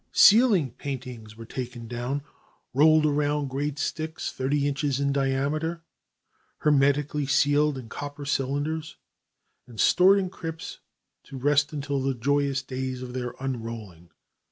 Ceiling paintings were taken down, rolled around great sticks thirty inches in diameter, hermetically sealed in copper cylinders, and stored in crypts to rest until the joyous day of their unrolling.